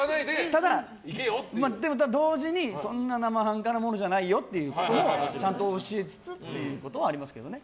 ただ、同時にそんな生半可なものじゃないよってちゃんと教えつつというのもありますけどね。